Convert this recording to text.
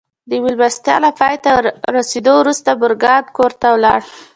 د مېلمستیا له پای ته رسېدو وروسته مورګان کور ته ولاړ